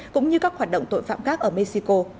cũng như các hoạt động tội phạm khác ở mexico